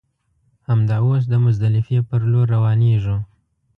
همدا اوس د مزدلفې پر لور روانېږو.